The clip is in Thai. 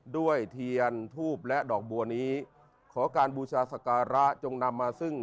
เทียนทูบและดอกบัวนี้ขอการบูชาสการะจงนำมาซึ่ง